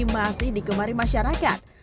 masih dikemarin masyarakat